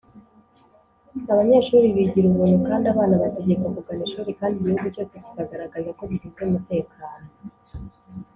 abanyeshuri bigira ubuntu kandi abana bategekwa kugana ishuri kandi igihugu cyose kikagaragaza ko gifite umutekano